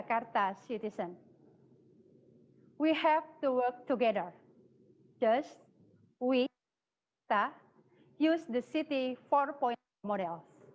keuntungannya mereka berurang urangnya